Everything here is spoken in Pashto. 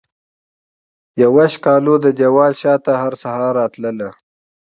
یوه ښکالو ددیوال شاته هرسحر راتلله